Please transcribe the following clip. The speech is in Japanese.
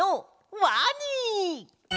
ワニ！